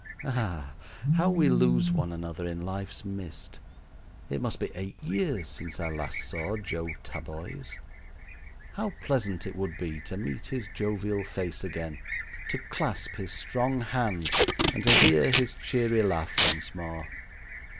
Ah! how we lose one another in life's mist. It must be eight years since I last saw Joseph Taboys. How pleasant it would be to meet his jovial face again, to clasp his strong hand, and to hear his cheery laugh once more!